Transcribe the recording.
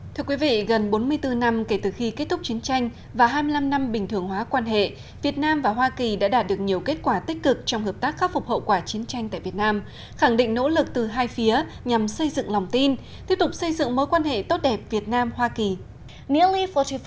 thưa quý vị gần bốn mươi bốn năm kể từ khi kết thúc chiến tranh và hai mươi năm năm bình thường hóa quan hệ việt nam và hoa kỳ đã đạt được nhiều kết quả tích cực trong hợp tác khắc phục hậu quả chiến tranh tại việt nam khẳng định nỗ lực từ hai phía nhằm xây dựng lòng tin tiếp tục xây dựng mối quan hệ tốt đẹp việt nam hoa kỳ